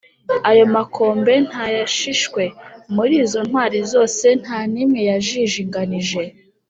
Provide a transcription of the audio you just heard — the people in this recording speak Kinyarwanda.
Ayo makombe ntayashishwe: Muri izo ntwari zose nta n’imwe yajijinganije